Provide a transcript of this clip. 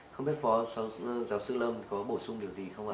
không biết phó giáo sư lâm có bổ sung điều gì không ạ